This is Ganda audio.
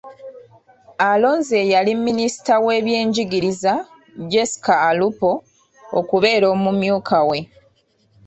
Alonze eyali minisita w’ebyenjigiriza, Jessica Alupo, okubeera omumyuka we.